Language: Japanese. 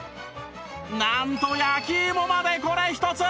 なんと焼き芋までこれひとつ！